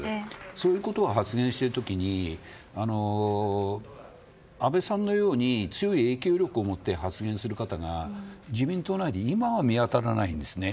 そういうことを発言しているときに安倍さんのように強い影響力を持って発言する方が自民党内で今は見当たらないんです。